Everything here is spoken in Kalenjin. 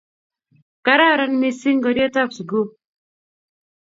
Kararan mising ngorietab sukul